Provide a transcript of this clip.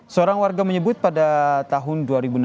seorang warga menyebut pada tahun dua ribu enam belas